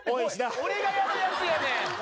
俺がやるやつやねん。